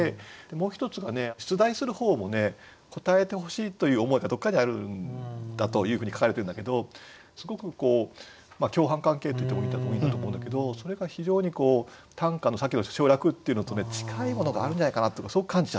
もう一つがね出題する方も答えてほしいという思いがどっかにあるんだというふうに書かれてるんだけどすごく共犯関係といってもいいんだと思うけどそれが非常に短歌のさっきの省略っていうのとね近いものがあるんじゃないかなとそう感じちゃってね。